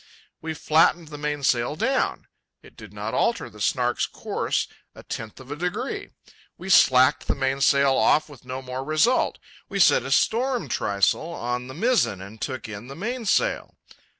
We flattened the mainsail down. It did not alter the Snark's course a tenth of a degree. We slacked the mainsail off with no more result. We set a storm trysail on the mizzen, and took in the mainsail.